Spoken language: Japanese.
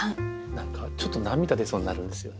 何かちょっと涙出そうになるんですよね。